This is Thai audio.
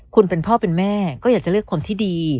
คุณเป็นพ่อเป็นแม่ก็อยากจะเลือกคนที่ดี